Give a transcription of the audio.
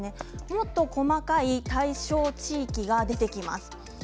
もっと細かい対象地域が出てきます。